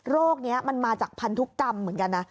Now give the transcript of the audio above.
โรคนี้มันมาจากพันธุกรรมเหมือนกันนะ